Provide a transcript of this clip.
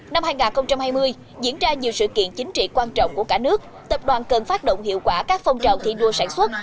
năm hai nghìn hai mươi diễn ra nhiều sự kiện chính trị quan trọng của cả nước tập đoàn cần phát động hiệu quả các phong trào thi đua sản xuất